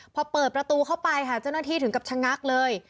พอเปิดประตูเข้าไปค่ะเจ้าหน้าที่ถึงกับชะงักเลย